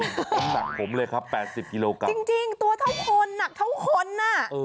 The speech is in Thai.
น้ำหนักผมเลยครับ๘๐กิโลกรัมจริงตัวเท่าคนหนักเท่าคนอ่ะ